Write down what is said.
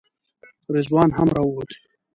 رضوان هم راووت.